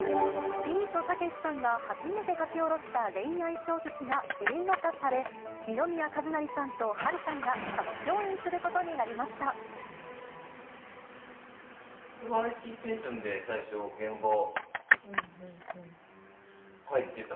ビートたけしさんが初めて書き下ろした恋愛小説が映画化され、二宮和也さんと波瑠さんが、初共演することになりました。